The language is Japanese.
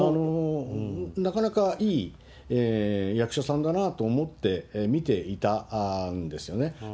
なかなかいい役者さんだなと思って見ていたんですよね。